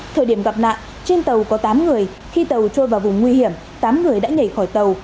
thời điểm gặp nạn trên tàu có tám người khi tàu trôi vào vùng nguy hiểm tám người đã nhảy khỏi tàu